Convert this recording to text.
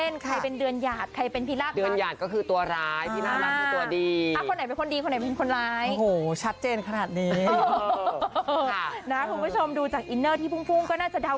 น้องเต็มมางานดีมากลูก